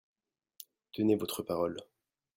Tenez votre parole.